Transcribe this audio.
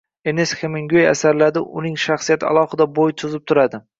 Ernest Heminguey asarlarida uning shaxsiyati alohida bo‘y cho‘zib turadi